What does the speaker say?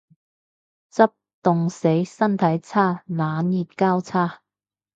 執，凍死。身體差。冷熱交叉